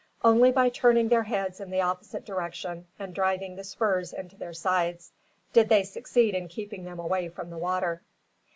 Only by turning their heads in the opposite direction and driving the spurs into their sides, did they succeed in keeping them away from the water.